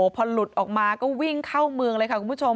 พอหลุดออกมาก็วิ่งเข้าเมืองเลยค่ะคุณผู้ชม